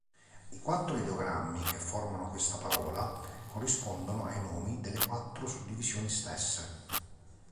I quattro ideogrammi che formano questa parola corrispondono ai nomi delle quattro suddivisioni stesse.